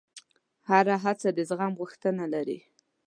هره هڅه د زغم غوښتنه لري.